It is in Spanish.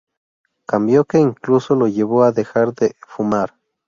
Cambio que incluso lo llevó a dejar de fumar...